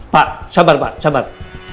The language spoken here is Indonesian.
pak sabar pak sabar